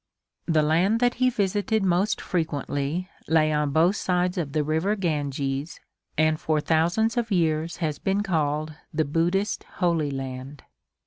The land that he visited most frequently lay on both sides of the river Ganges and for thousands of years has been called the Buddhist Holy Land.